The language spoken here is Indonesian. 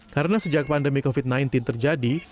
karena sejak pandemi covid sembilan belas terjadi